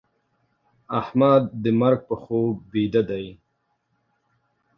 احمد د مرګ په خوب بيده دی.